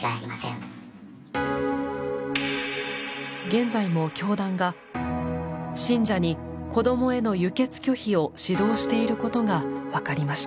現在も教団が信者に子供への輸血拒否を指導していることがわかりました。